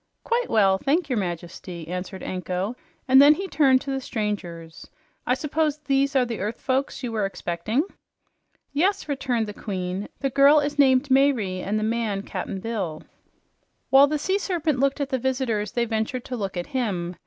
"Quite well, thank your Majesty," answered Anko; and then he turned to the strangers. "I suppose these are the earth folks you were expecting?" "Yes," returned the Queen. "The girl is named Mayre and the man Cap'n Bill." While the sea serpent looked at the visitors, they ventured to look at him.